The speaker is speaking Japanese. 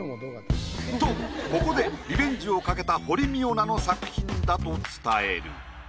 とここでリベンジをかけた堀未央奈の作品だと伝える。